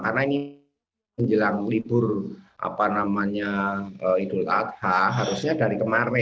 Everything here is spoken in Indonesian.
karena ini menjelang libur idul adha harusnya dari kemarin